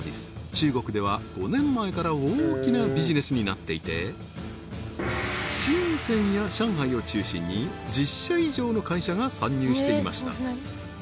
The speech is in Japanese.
中国では５年前から大きなビジネスになっていて深や上海を中心に１０社以上の会社が参入していました